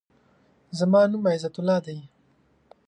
زما نوم عزت الله دی.